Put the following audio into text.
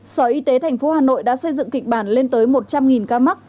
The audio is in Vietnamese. sở y tế thành phố hà nội đã xây dựng kịch bản lên tới một trăm linh ca mắc